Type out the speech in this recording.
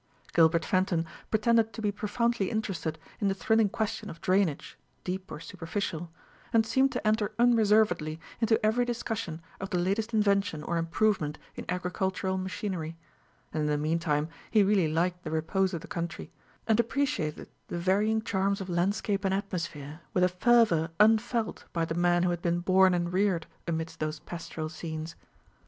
Gilbert Fenton pretended to be profoundly interested in the thrilling question of drainage, deep or superficial, and seemed to enter unreservedly into every discussion of the latest invention or improvement in agricultural machinery; and in the mean time he really liked the repose of the country, and appreciated the varying charms of landscape and atmosphere with a fervour unfelt by the man who had been born and reared amidst those pastoral scenes.